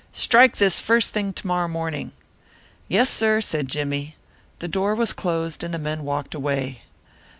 Strike this first thing tomorrow morning." "Yes, sir," said Jimmie. The door was closed and the men walked away.